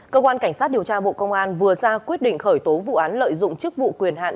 cơ quan cảnh sát điều tra bộ công an vừa ra quyết định khởi tố vụ án lợi dụng chức vụ quyền hạn